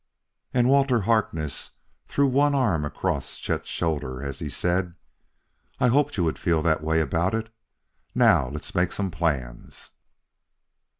And Walter Harkness threw one arm across Chet's shoulder as he said; "I hoped you would feel that way about it. Now let's make some plans."